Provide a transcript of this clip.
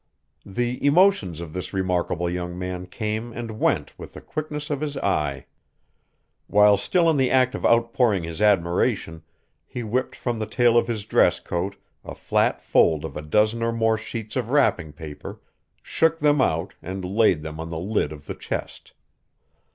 The emotions of this remarkable young man came and went with the quickness of his eye. While still in the act of outpouring his admiration he whipped from the tail of his dress coat a flat fold of a dozen or more sheets of wrapping paper, shook them out and laid them on the lid of the chest.